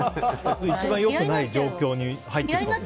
一番良くない状況に入っていく。